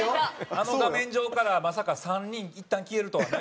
あの画面上からまさか３人いったん消えるとはね。